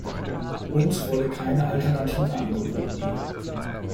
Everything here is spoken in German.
Uns wurde keine Alternative angeboten.